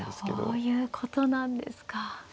そういうことなんですか。